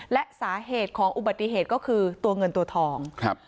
และสาเหตุของอุบัติเหตุก็คือตัวเงินตัวทองครับ